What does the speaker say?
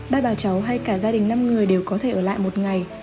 ba bà cháu hay cả gia đình năm người đều có thể ở lại một ngày